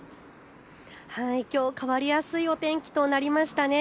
きょう、変わりやすいお天気となりましたね。